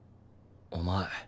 お前